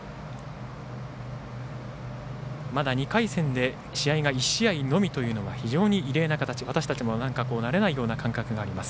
まだ２回戦で試合が１試合のみは非常に異例な形で私たちも慣れないような感覚があります。